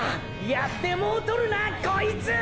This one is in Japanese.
やってもうとるなこいつ！！